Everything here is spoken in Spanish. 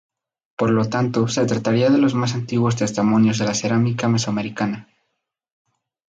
Por lo tanto, se trataría de los más antiguos testimonios de la cerámica mesoamericana.